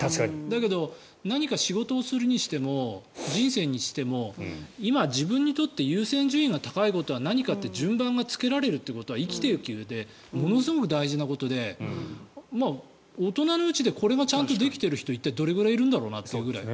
だけど、何か仕事をするにしても人生にしても今、自分にとって優先順位が高いことは何かって順番がつけられるということは生きていくうえでものすごく大事なことで大人のうちでこれがちゃんとできてる人って一体どれぐらいいるんだろうなというぐらい。